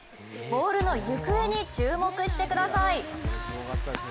ボールの行方に注目してください。